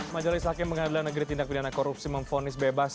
majelis hakim pengadilan negeri tindak pidana korupsi memfonis bebas